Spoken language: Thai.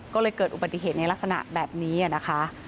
ก็เลยเกิดอุบัติเหตุในลักษณะแบบนี้นะคะ